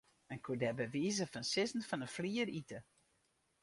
Men koe der by wize fan sizzen fan 'e flier ite.